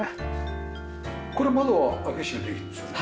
これ窓は開け閉めできるんですよね。